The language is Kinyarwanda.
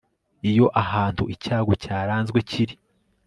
iyo ahantu icyago cyaranzwe kiri